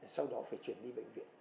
sau đó phải chuyển đi bệnh viện